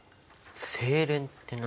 製錬って何？